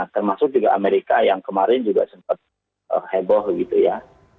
termasuk juga amerika yang kemarin juga sempat heboh gitu ya